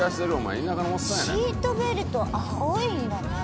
「シートベルト青いんだね！」